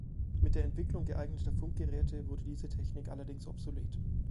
Mit der Entwicklung geeigneter Funkgeräte wurde diese Technik allerdings obsolet.